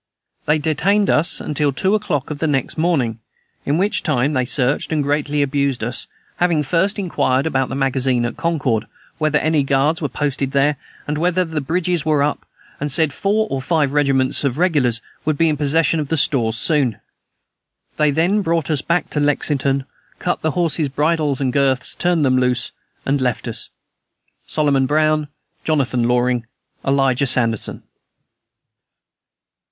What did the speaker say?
They detained us until two o'clock the next morning, in which time they searched and greatly abused us, having first inquired about the magazine at Concord, whether any guards were posted there, and whether the bridges were up, and said four or five regiments of regulars would be in possession of the stores soon. They then brought us back to Lexington, cut the horses' bridles and girths, turned them loose, and then left us. "SOLOMON BROWN, "JONATHAN LORING, ELIJAH SANDERSON."